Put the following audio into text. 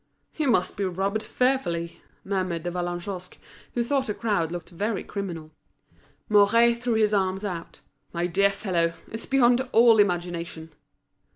"You must be robbed fearfully," murmured De Vallagnosc, who thought the crowd looked very criminal. Mouret threw his arms out. "My dear fellow, it's beyond all imagination."